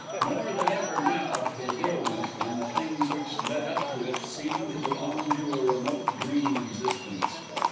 More than ever, now, his illness and the things which had led up to it seemed to belong to a remote dream existence.